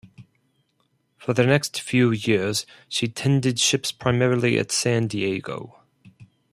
For the next few years, she tended ships primarily at San Diego.